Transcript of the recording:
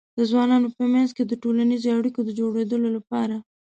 د ځوانانو په منځ کې د ټولنیزو اړیکو د جوړولو لپاره